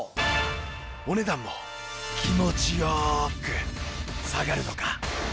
お値段も気持ち良く下がるのか？